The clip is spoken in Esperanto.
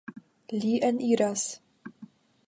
Li eniras.